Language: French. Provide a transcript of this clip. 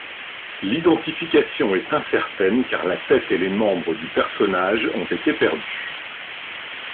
L'identification est incertaine car la tête et les membres du personnage ont été perdus.